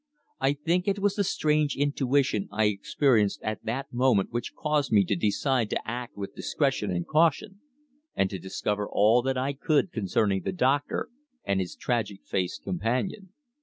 I think it was the strange intuition I experienced at that moment which caused me to decide to act with discretion and caution, and to discover all that I could concerning the doctor and his tragic faced companion.